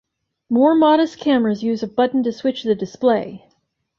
More modest cameras use a button to switch the display.